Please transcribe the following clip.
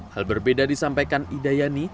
hal berbeda disampaikan idayani